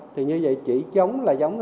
thì như vậy chỉ giống là giống